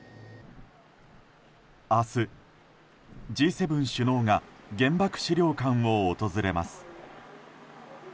明日、Ｇ７首脳が原爆資料館を訪れます。